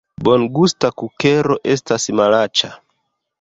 Bongusta kukero estas malaĉa